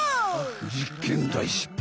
実験大失敗！